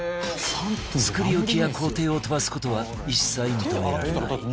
作り置きや工程を飛ばす事は一切認められない